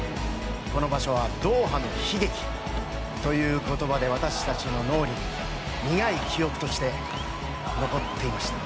この場所はドーハの悲劇という言葉で私たちの脳裏に苦い記憶として残っていました。